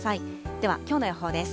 ではきょうの予報です。